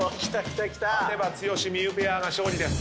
勝てば剛・望結ペアが勝利です。